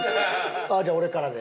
じゃあ俺からで。